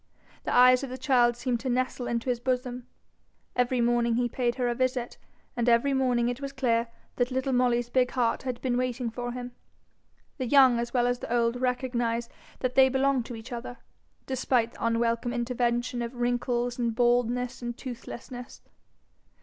The eyes of the child seemed to nestle into his bosom. Every morning he paid her a visit, and every morning it was clear that little Molly's big heart had been waiting for him. The young as well as the old recognize that they belong to each other, despite the unwelcome intervention of wrinkles and baldness and toothlessness.